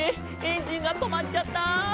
エンジンが止まっちゃった！」